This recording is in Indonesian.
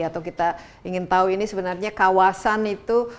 atau kita ingin tahu ini sebenarnya kawasan itu